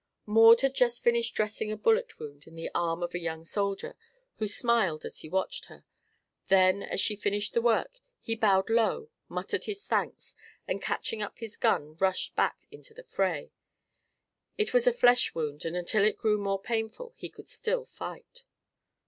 Maud had just finished dressing a bullet wound in the arm of a young soldier who smiled as he watched her. Then, as she finished the work, he bowed low, muttered his thanks, and catching up his gun rushed back into the fray. It was a flesh wound and until it grew more painful he could still fight.